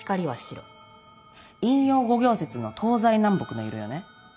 陰陽五行説の東西南北の色よね。